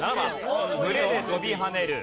群れで飛び跳ねる。